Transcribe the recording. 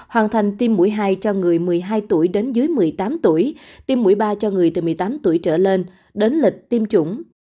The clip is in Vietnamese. hoàn thành tiêm mũi hai cho người một mươi hai tuổi đến dưới một mươi tám tuổi tiêm mũi ba cho người từ một mươi tám tuổi trở lên đến lịch tiêm chủng